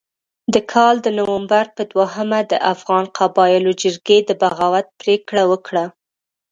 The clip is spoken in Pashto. د کال د نومبر په دوهمه د افغان قبایلو جرګې د بغاوت پرېکړه وکړه.